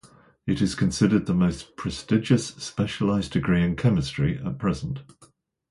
It considered the most prestigious specialized Degree in Dentistry at present.